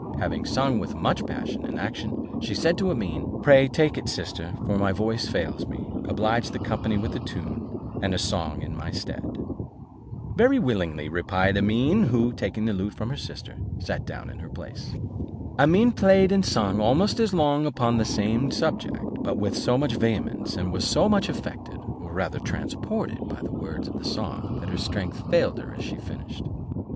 Having sung with much passion and action, she said to Amene, "Pray take it, sister, for my voice fails me; oblige the company with a tune, and a song in my stead." "Very willingly," replied Amene, who, taking the lute from her sister Safie, sat down in her place. Amene played and sung almost as long upon the same subject, but with so much vehemence, and was so much affected, or rather transported, by the words of the song, that her strength failed her as she finished.